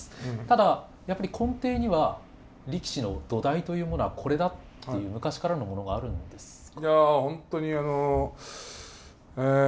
ただやっぱり根底には力士の土台というものはこれだっていう昔からのものがあるんですか？